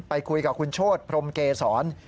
ไปคุยกับคุณโชธพรมเกษร